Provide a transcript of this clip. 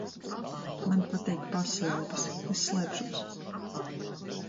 Man patīk paslēpes. Es slēpšos.